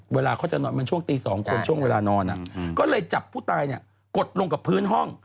เวลาเขาจะนอนมันช่วงตี๒คนช่วงเวลานอนก็เลยจับผู้ตายเนี่ยกดลงกับพื้นห้อง